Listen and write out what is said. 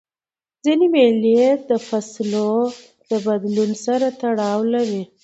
ځیني مېلې د فصلو د بدلون سره تړاو لري.